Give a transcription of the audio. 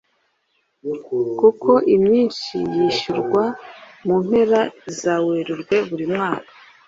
kuko imyinshi yishyurwa mu mpera za Werurwe buri mwaka